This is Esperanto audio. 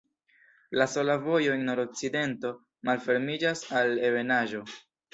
La sola vojo en nordokcidento malfermiĝas al ebenaĵo.